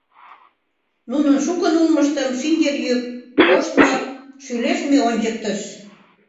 Нунын шукын улмыштым шинчыр йӱк, коштмо, шӱлештме ончыктыш.